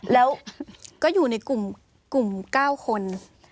แล้วก็อยู่ในกลุ่ม๙คน